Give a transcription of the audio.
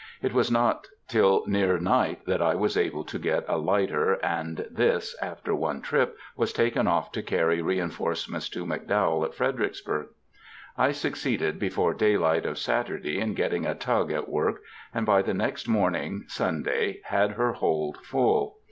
It was not till near night that I was able to get a lighter, and this, after one trip, was taken off to carry reinforcements to McDowell at Fredericksburg. I succeeded before daylight of Saturday in getting a tug at work, and by the next morning, Sunday, had her hold full.